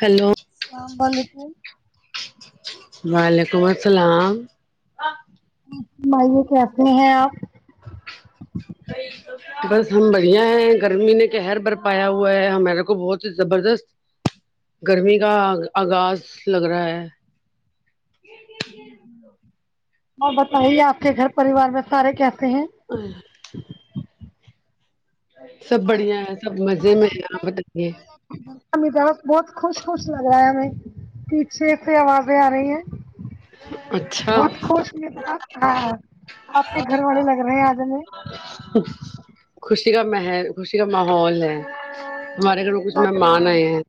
Hello سلام علیکم وعلیکم السلام [unintelligible] آپ بس ہم بڑھیا ہیں گرمی نے کہر بر پایا ہوا ہے ہمارے کو بہت ہی زبردست گرمی کا ا آغاز لگ رہا ہے میں بتائیے آپ کے گھر پریوار میں سارے کیسے ہیں سب بڑھیا ہے سب مزے میں ہے آپ بتائیے امیتاب بہت خوش خوش لگ رہا ہے ہمیں پیچھے سے آوازیں آ رہی ہیں اچھا بہت خوش م ب ہاں آپ کے گھر والے لگ رہے ہیں آج ہمیں خوشی کا محل خوشی کا ماحول ہے ہمارے گھر کچھ مہمان آئے ہیں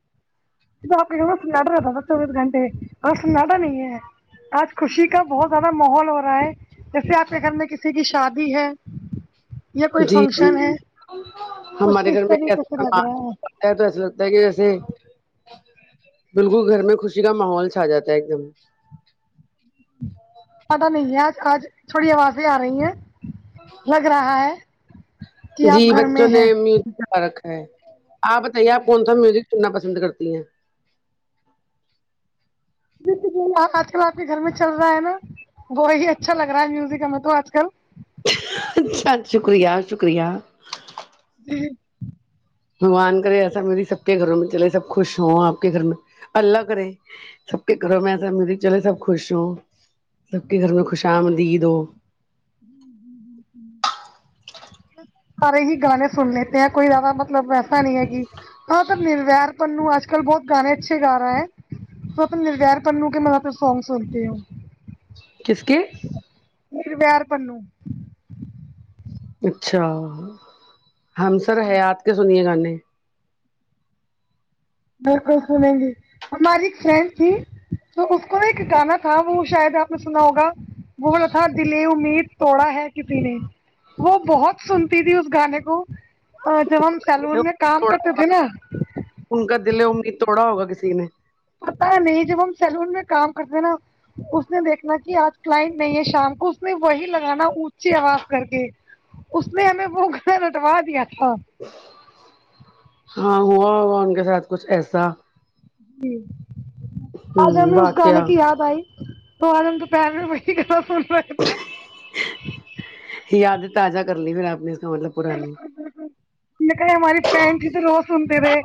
جی آپ کے گھر میں سلنڈر رہا تھا تھا چوبیس گھٹے آچ سلنڈر نہیں ہے آج خوشی کا بہت زیادہ ماحول ہو رہا ہے جیسے آپ کے گھر میں کسی کی شادی ہے یا کوئی جی جی فنکشن ہے کچھ اس طریقے سے لگ رہا ہے تاہے تو ایسے لگتا ہے کی جیسے بالکل گھر میں خوشی کا ماحول چھا جاتا ہے ایک دم [unintelligible] تھوڑی آوازیں آ رہی ہیں لگ رہا ہے کہ جی آپ گھر میں بچوں نے ہیں میوزک فرق ہے آپ بتائیے آپ کون سا میوزک سننا پسند کرتی ہیں جی آج کل آپ کے گھر میں چل رہا ہے نا وہی اچھا لگ رہا ہے میوزک ہمیں تو آج کل چ شکریہ شکریہ جی بگوان کرے ایسا میری سب کے گھروں میں چلے سب خوش ہوں آپ کے گھر میں اللہ کرے سب کے کرو میں سمج چلے سب خوش ہوں سب کے گھر میں خوش آمدید ہو سارے ہی گانے سن لیتے ہیں کوئی زیادہ مطلب ایسا نہیں ہے کہ ہاں تو نرویر پنو آج کل بہت گانے اچھے گا رہا ہے تو اپنا نرگیر کرن لوں کہ میں اپنا سانگ سنتی ہوں کس کے پیر پیار پنوں اچھا ہم سر جی حیات کے سنیے گانے بالکل سنےیں گی ہماری ایک فرینڈ تھی تو اس کو ایک گانا تھا وہ شاید آپ نے سنا ہوگا بہت تھا دلیے امید توڑا ہے کسی نے وہ بہت سنتی تھی اس گانے کو اور جب ہم سیلون میں کام توڑا کرتے ہوگا تھے نا ان کا دل امید توڑا ہوگا کسی نے پتا نہیں جب ہم سیلون میں کام کرتے ہیں نا اس نے دیکھنا کہ آج کلائنٹ نہیں ہے شام کو اس نے وہی لگانا اونچی آواز کر کے اس نے ہمیں وہ گھر لٹوا دیا تھا ہاں ہوا ہوا ان کے ساتھ کچھ ایسا جی ہ آج ہم نے اس گانے واقعہ کی یاد آائی تو آج ہم دوپہر میں وہی گنا سن رہتے ہیں یادیں تازہ کر لی پھر آپ نے اس کا مطلب پرانی میں کہے ہماری فن تھی تو روز سنتے رہے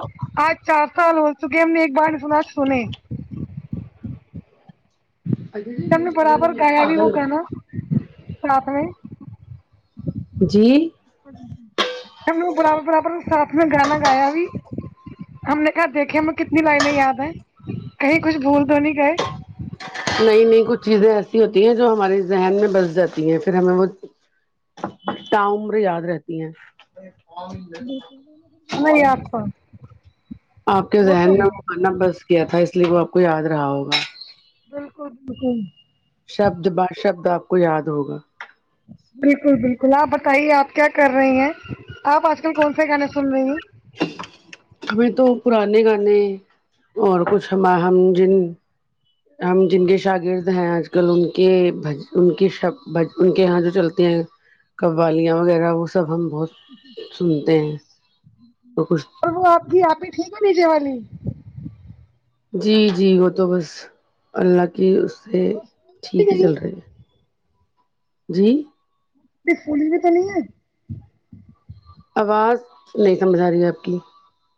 آج چار سال ہو چکے ہم نے ایک بار سنا سنی سم نے برابر کھایا بھی وہ کھانا ساتھ میں جی برابر برابر ساتھ میں گانا گایا بھی ہم نے کہاں دیکھے ہمیں کتنی لائنیں یاد ہیں کہیں کچھ بھول تو نہیں گئے نہیں نہیں کچھ چیزیں ایسی ہوتی ہیں جو ہمارے ذہن میں بس جاتی ہیں پھر ہمیں وہ تا عمر یاد رہتی ہیں یہ آچھا آپ کے ذہن نے وہ کرنا بس کیا تھا اس لیے وہ آپ کو یاد رہا ہوگا بلکل بلکل شبد ب شبد آپ کو یاد ہوگا بلکل بلکل آپ بتائیے آپ کیا کر رہے ہیں آپ آج کل کون سے گانے سن رہی ہیں ہمیں تو پرانے گانے اور کچھ ہم ہم جن ہم جن کے شاگرد ہیں آج کل ان کے ان کے شبج ان کے یہاں جو چلتے ہیں قوالیاں وغیرہ وہ سب ہم بہت سنتے ہیں تو کچھ اور وہ آپ کی آپی ہی ٹھیک ہے نیچے والی جی جی وہ تو بس اللہ کی اس سے ٹھیک ہی چل گئی رہے ہے جی پ پولس بھی تو نہیں ہے آواز نہیں سمجھ آ رہی آپ کی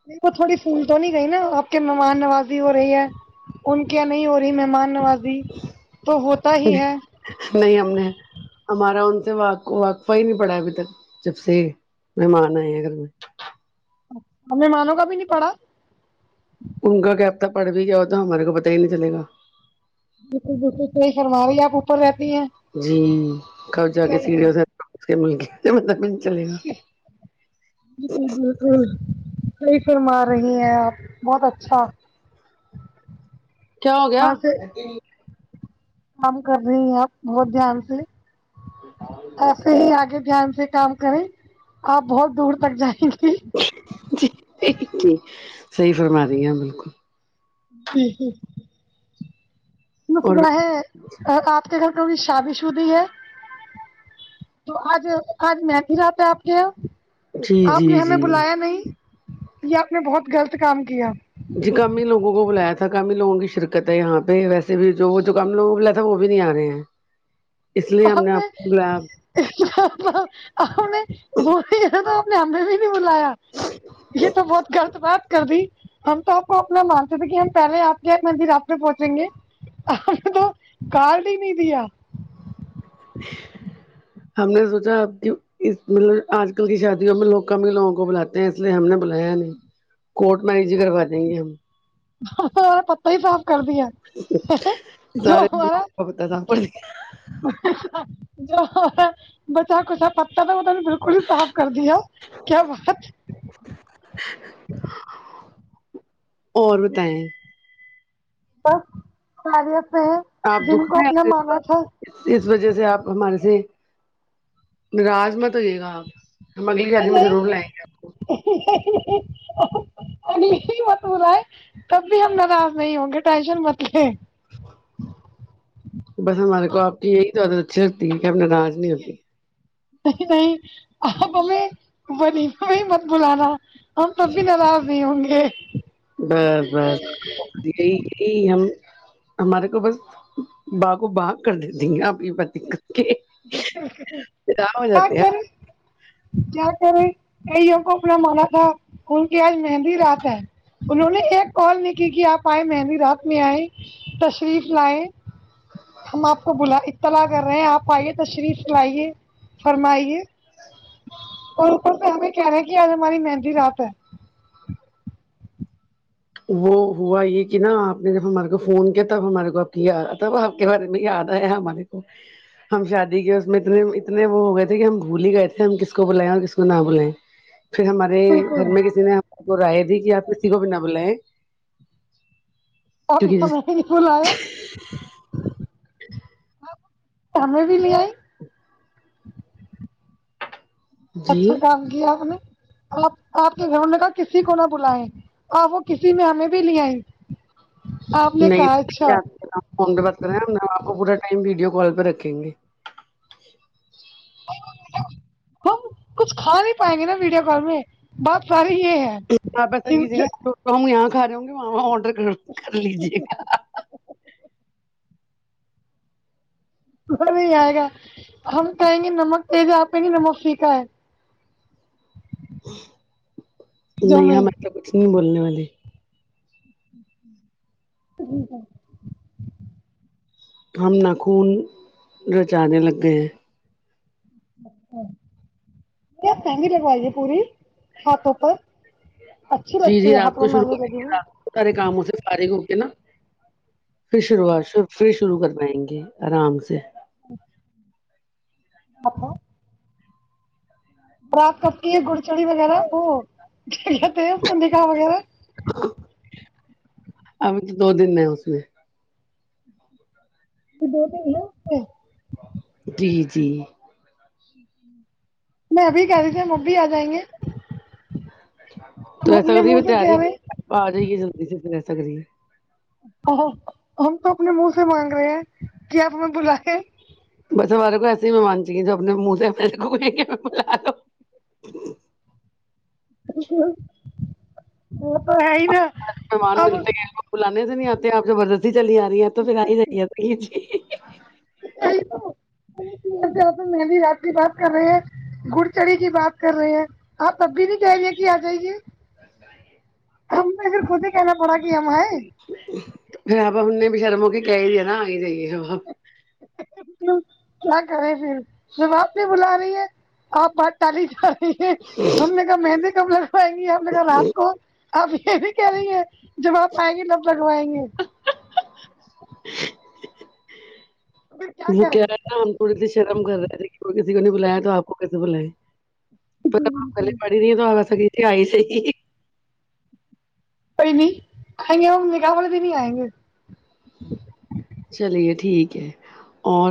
میر کو تھوڑی پھول تو نہیں گئی نا آپ کے مہمان نوازی ہو رہی ہے ان کیا نہیں ہو رہی مہمان نوازی تو ہوتا ہی ہے نہیں ہم نے ہمارا ان سے واقفہ ہی نہیں پڑا ابھی تک جب سے مہمان آئے اگر ہمیں مانوں کا بھی نہیں پڑا ان کا اب تک پڑھ بھی جاؤ تو ہمارے کو پتا ہی نہیں چلےگا بلکل بلکل سہی فرمارہی ہے آپ اوپر رہتی ہیں جی کب جا کے صحیح سیڑے مل گیا م جی بلکل کی فرما رہی ہیں آپ بہت اچھا کیا ہو گیا وہاں سے کام کر رہی ہیں آپ بہت دھیان سے س سہی آگے دھیان سے کام کریں آپ بہت دور تک جائیں گے جی سحی فرما رہی ہیں بلکل جی جی اور مسئلہ ہے آپ خل کرنی شابی سدی ہے تو آج آج میں کہ جاتتا آپ کے یہاں جی آپ نے جی ہمیں جی بلایا نہیں یہ آپ نے بہت غلط کام کیا جی کم ہی لوگوں کو بلایا تھا کم ہی لوگوں کی شرکت ہے یہاں پہ ویسے بھی جوکم لوگوں ب سب وہ بھی نہیں آ رہے ہیں اس لیے ہم آپ نے کو بلایا نے وہ ایسا تو آپ نے ہمے بھی نہیں بلایا یہ تو بہت غلط بات کر دی ہم تو آپ کو اپنا مانتے تھے کی ہم پہلے آپ کے مندر آپ پھوچنگے گے آ تو کارڈ ہی نہیں دیا ہم نے سوچا اب کی اس مطلب آج کل کی شادیوں میں لوگ ک بھی لوگوں کو بلاتے ہیں اس لیے ہم نے بلایا نہیں کوٹ میریج کروا دیں گے ہم ہ ہ پتا ہی صاف کرد یا جو سارے ہمارا کو پتا تھا جو بچا کچھا پتا تو وہ بھی کو صاف کر دیا کیا بات اور بتائیں بس ساری سے ہیں آپ جن دکھ کو میں اپنا مانا تھا اس وجہ سے آپ ہمارے سے نراج مت ہوئیے گا آپ ہم اگلی شادی میں نہیں ضرور لائیں گے آپ کو اگلی مت ب رہائے تب بھی ہم ناراض نہیں ہوں گے ٹینشن مت لیں بس ہمارے کو آپ کی یہی تعادت اچھی لگتی ہے کہ ہم اپنے ناج نہیں ہوتی نہیں نہیں آپ ہمیں بنی مت بلانا ہم تب بھی ناراض نہیں ہوں گے بس بس یہی یہی ہم ہمارے کو بس با کو بغ کر دیتییں گ ابھی پات کر کے ہو کیا جاتے ہیں کرے کیا کرے کئیوں کو اپنا مانا تھا ان کی آج مہندی رات ہے انہوں نے ایک کال نہیں کی کہ آپ آئے مہندی رات میں آئے تشریف لائے ہم آپ کو بلا اطلاع کر رہے ہیں آپ آئیے تشریف لائیے فرمائیے اور اوپر پہ ہمیں کہہ رہے ہیں کہ آج ہماری مہندی رات ہے وہ ہوا یہ کہ نا آپ نے جب ہمارے کو فون کیا تب ہمارے کو اب کیا تب آپ کے بارے میں یاد آیا ہمارے کو ہم شادی کی اس میں اتنے اتنے وہ ہو گئے تھے کہ ہم بھول ہی گئے تھے ہم کس کو بلائیں اور کس کو نہ بلیں پھر ہمارے بالکل گھر میں کسی نے ہمے کو رائے دی کہ آپ کسی کو بھی نہ بلائیں اب کیونکہ جس ہمیں بھی بولا نا ہمیں بھی لی جی اچھا کام کیا ہم نے آپ آپ کے گھر میں کا کسی کو نہ بالائے اور وہ کسی میں ہمیں بھی لے آئی آپ نے نہیں کہا اچھا فون پہ ب کر رہے ہم آپ کو پورا ٹائم ویڈی کال پہ رکھیں گے ہم کچھ کھا نہیں پائیں گے نا ویڈیو کال میں بات ساری یہ ہے آپ ایسا ان کیجیے سے گا یہاں کھا رہے ہوں گے وہاںاں آڈر کر لیجیے گا م نہیں آئے گا ہم کہیں گے نمک تیز آپیں گے نمک سیکھا ہے جو نہیں ہمار تو کچھ نہیں بولنے والی ہمم ہم ناخون جو چانے لگ گئے ہیں آپ مہنگی لگوائی ہے پوری ہاتھوں پر اچھی جی لگتی جی ہے رات ہاتھ مے کو شروع مہندی کریں لگی گے ہوئی رات کو سارے کاموں سے سارے ہو کے نا پھر شروعات پھر شروع کروائیں گے آرام سے ہاں برات کپ کی ہے گڑچڑی وغیرہ وہ کیا کہتے ہیںندیکا وغیرہ ابھی تو دو دن نہیں اس میں ابھی دو دن ہے اسمے جی جی میں ابھی کہہ رہی تھی ہم اب بھی آ جائیں گے تو ایسا اپنے رہی منہ میں سے کہہ تیاری رہے کیپ آ جائیے جلدی سے رہ س کر رہیے ہ ہم تو اپنے منہ سے مانگ رہے ہیں کیا آپ ہمیں بلاے بس ہمارے کو ایسے ہی مہمان چاہیے جو اپنے منہ سے گھومے گ بلا ہ وہ تو ہے ہی نا مہمان اب ملتے ہیں بلانے سے نہیں آتے آپ لوگ اد چلی آ رہی ہے تو پھر آ ہی جائیے ہی جی یہی تو پوچھو مہندی رات کی بات کر رہے ہیں گڑ چڑے کی بات کر رہے ہیں آپ اب بھی کہہ رہی ہے کہ آ جائیے گی سس ہمیں پھر خود ہی کہنا پڑا کہ ہم آئے پھر آپا ہم نے بھی شرم ہو کے کہہ ہی دیا نا آئی جائیے ابھ کیا کرے پھر جب آپ نہیں بلا رہی ہے آپ بات کل ہی جا رہی ہے ہم نے کہا مہندی کب لگ پائیں گے ہم نے کہا رات کو آپ یہ بھی کہہ رہی ہیں جب آپ آئی گی تب لگوائیں گے ہی ہی ہی۔۔۔۔۔ ہی پھر کیا وہ کریں کہہ رہا نا ہم تھوڑی سی شرم کر رہے تھے کہ کسی کو نے بلایا تو آپ کو کیسے بلائے پ پلے پڑھی نہیںی تو آ وس آئی سےی صحیح بھی آئیں گے ہم نکاح والے دن بھی آئیں گے چلیے ٹھیک ہے اور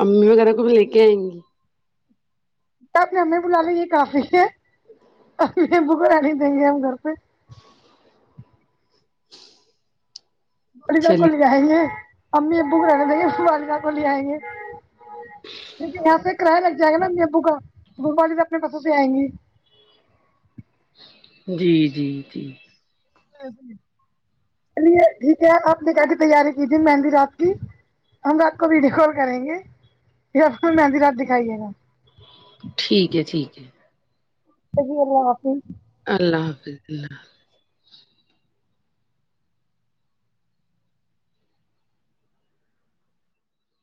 امی وغیرہ کو بھی لے کے آئیں گی تپ نے امی بلالیں گے یہ کافی ہے ویسے ہم ابو کو رہنے دیں گے ہم گھر پہ واجدہ کو لے چلیے آئیں گے امی ابو کو رہنے دیں گے س واجدہ کو لے آئیں گے کیونکہ یہاں سے کرایہ لگ جائے گا نا امی ابو کا واجدہ اپنے پسوں سے آیں گی جی جی جی چلیے ٹھیک ہے آپ نکاح کی تیاری کیجئے مہندی رات کی ہم رات کو ویڈیو کال کریں گے پھر مہندی رات دکھائیے گے ٹھیک ہے ٹھیک ہے چلیے اللہ حافظ اللہ حافظ اللہ